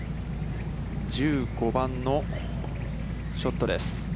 １５番のショットです。